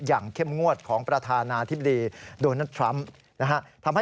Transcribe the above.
อย่างเข้มงวดของประธานาธิบดีโดนัททรัมป์นะฮะ